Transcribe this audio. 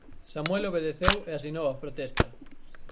Samuel obedeceu e asinou a protesta.